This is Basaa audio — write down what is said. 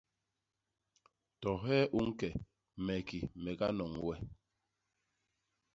To hee u ñke, me ki me ganoñ we.